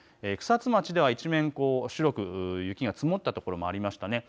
草津町では一面、白く雪が積もった所もありましたね。